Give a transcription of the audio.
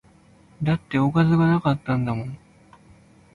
だっておかずが無かったんだもん